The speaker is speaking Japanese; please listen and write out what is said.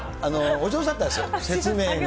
お上手だったです、説明が。